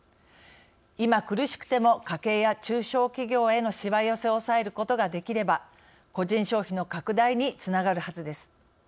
今、苦しくても家計や中小企業へのしわ寄せを抑えることができれば個人消費の拡大につながるはずです。